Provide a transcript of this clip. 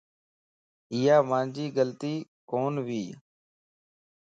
ايا مانجي غلطي ڪون وي.